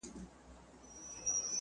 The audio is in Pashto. په توبه توبه زاهد کړمه مجبوره .